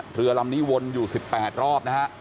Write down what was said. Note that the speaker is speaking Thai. เรือลำนี้วนอยู่๑๘รอบนะฮะ